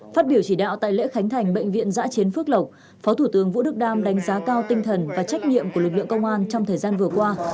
phát biểu chỉ đạo tại lễ khánh thành bệnh viện giã chiến phước lộc phó thủ tướng vũ đức đam đánh giá cao tinh thần và trách nhiệm của lực lượng công an trong thời gian vừa qua